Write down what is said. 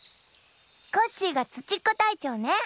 コッシーが「ツチッコたいちょう」ね。